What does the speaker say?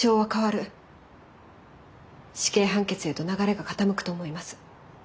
死刑判決へと流れが傾くと思います。